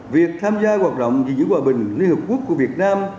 việc tham gia hoạt động dịch vụ hòa bình liên hợp quốc của việt nam